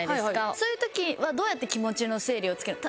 そういう時はどうやって気持ちの整理をつける？